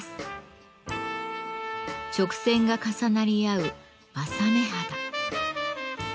直線が重なり合う柾目肌。